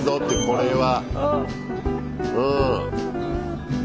これは。